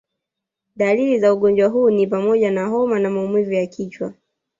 Dalili za ugonjwa huu ni pamoja na homa na maumivu ya kichwa